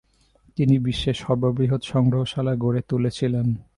তিনি বিশ্বের সর্ববৃহৎ সংগ্রহশালা গড়ে তুলেছিলেন।